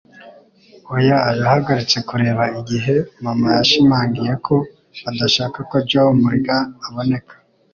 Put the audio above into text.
Oya. Yahagaritse kureba igihe mama yashimangiye ko adashaka ko Josh Mulligan aboneka!